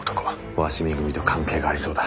鷲見組と関係がありそうだ」